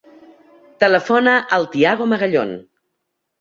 Telefona al Thiago Magallon.